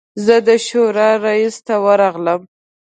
زه د شورا رییس ته ورغلم.